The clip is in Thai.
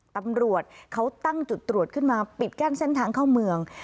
ตำรวจเขาตั้งจุดตรวจขึ้นมาปิดกั้นเส้นทางเข้าเมือง